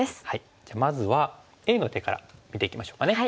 じゃあまずはＡの手から見ていきましょうかね。